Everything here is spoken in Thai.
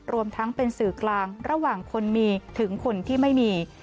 รวมทั้งเป็นสื่อกลางระหว่างคนมีถึงคนที่ไม่มี